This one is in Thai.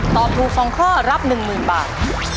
ตอบถูก๒ข้อรับ๑๐๐๐บาท